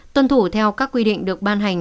tuân thủ theo các quy định được ban hành